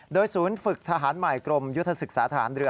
โดยศูนย์ฝึกทหารใหม่กรมยุทธศึกษาทหารเรือ